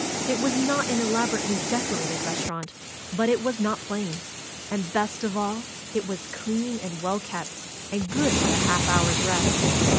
It was not an elaborately decorated restaurant; but it was not plain; and best of all, it was clean and well kept, and good for a half hour's rest.